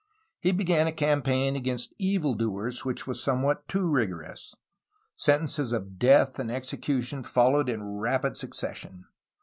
He began a campaign against evil doers which was somewhat too rigorous. Sen tences of death and execution followed in rapid succession.